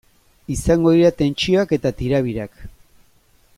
Izango dira tentsioak eta tirabirak.